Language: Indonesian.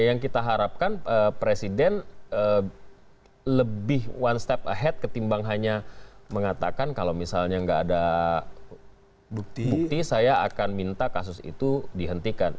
yang kita harapkan presiden lebih one step ahead ketimbang hanya mengatakan kalau misalnya nggak ada bukti saya akan minta kasus itu dihentikan